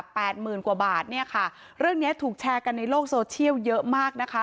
หมื่นกว่าบาทเนี่ยค่ะเรื่องเนี้ยถูกแชร์กันในโลกโซเชียลเยอะมากนะคะ